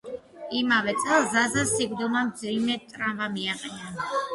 იმავე წელს ზაზას სიკვდილმა მძიმე ტრავმა მიაყენა.